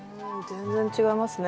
全然違いますね。